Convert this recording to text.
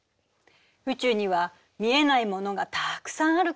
宇宙には見えないものがたくさんあるからね。